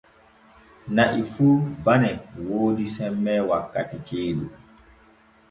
Na'i fu bane woodi semme wakkati ceeɗu.